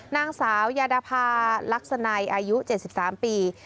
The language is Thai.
นางสาวยาดาภาลักษณัยอายุ๗๓ปี